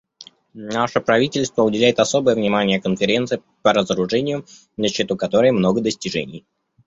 Наше правительство уделяет особое внимание Конференции по разоружению, на счету которой много достижений.